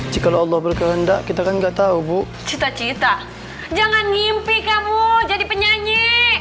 jika allah berkehendak kita kan gak tahu bu cita cita jangan ngimpi kamu jadi penyanyi